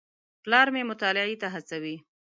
پلار مې مطالعې ته هڅوي.